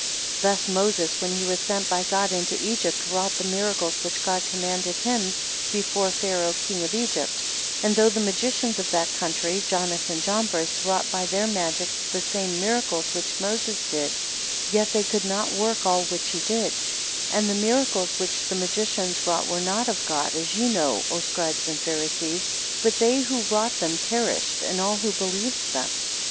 5 Thus Moses, when he was sent by God into Egypt, wrought the miracles which God commanded him, before Pharaoh king of Egypt; and though the magicians of that country, Jannes and Jambres, wrought by their magic the same miracles which Moses did, yet they could not work all which he did; 6 And the miracles which the magicians wrought, were not of God, as ye know, O Scribes and Pharisees; but they who wrought them perished, and all who believed them.